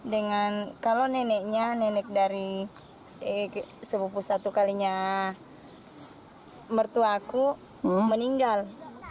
dengan kalau neneknya nenek dari sepupu satu kalinya mertua aku meninggal